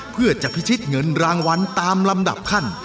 เพื่อจะพิชิตเงินรางวัลตามลำดับขั้น